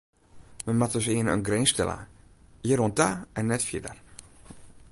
Men moat dus earne in grins stelle: hjir oan ta en net fierder.